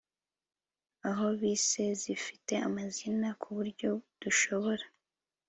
aho bisi zifite amazina kuburyo dushobora